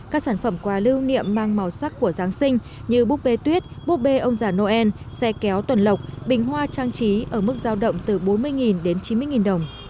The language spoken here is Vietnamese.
các sản phẩm quà lưu niệm mang màu sắc của giáng sinh như búp bê tuyết búp bê ông già noel xe kéo tuần lộc bình hoa trang trí ở mức giao động từ bốn mươi đến chín mươi đồng